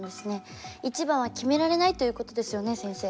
一番は決められないということですよね先生？